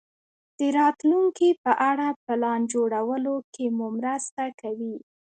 د راتلونکې په اړه پلان جوړولو کې مو مرسته کوي.